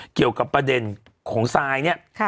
เกี่ยวกับประเด็นของซายเนี่ย